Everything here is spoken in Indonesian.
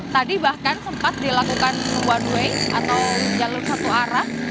tadi bahkan sempat dilakukan one way atau jalur satu arah